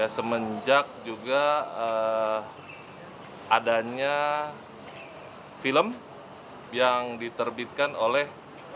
semenjak juga adanya film yang diterbitkan oleh